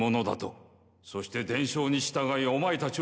そして伝承に従いお前たちを召喚した。